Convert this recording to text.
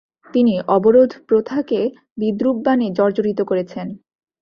তিনি অবরোধপ্রথাকে বিদ্রূপবাণে জর্জরিত করেছেন।